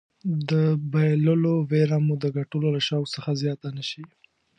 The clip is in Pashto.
د بایللو ویره مو د ګټلو له شوق څخه زیاته نه شي.